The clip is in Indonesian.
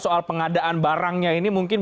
soal pengadaan barangnya ini mungkin